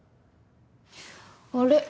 あれ？